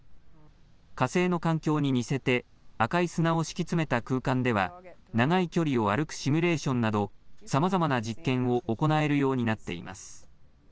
火星の環境に似せて赤い砂を敷き詰めた空間では長い距離を歩くシミュレーションなどさまざまな実験を行えるようになっています。